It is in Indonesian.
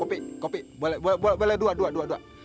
opi opi boleh dua